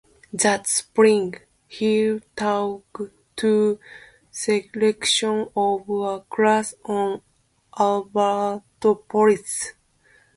That spring, he taught two sections of a class on urban politics.